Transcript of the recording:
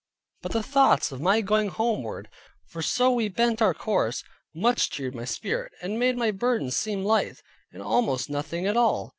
But the thoughts of my going homeward (for so we bent our course) much cheered my spirit, and made my burden seem light, and almost nothing at all.